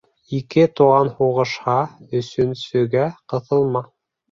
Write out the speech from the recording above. Ике туған һуғышһа, өсөнсөгә ҡыҫылма.